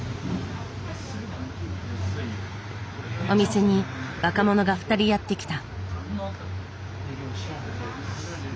お店に若者が２人やって来た。